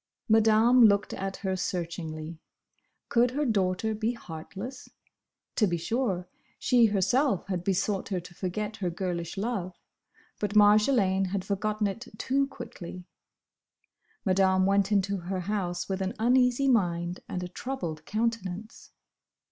Madame looked at her searchingly. Could her daughter be heartless? To be sure, she herself had besought her to forget her girlish love, but Marjolaine had forgotten it too quickly. Madame went into her house with an uneasy mind and a troubled countenance.